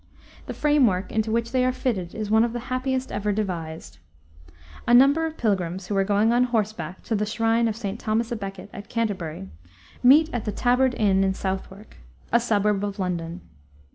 The frame work into which they are fitted is one of the happiest ever devised. A number of pilgrims who are going on horseback to the shrine of St. Thomas à Becket, at Canterbury, meet at the Tabard Inn, in Southwark, a suburb of London.